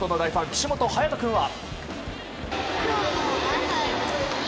岸本勇人君は。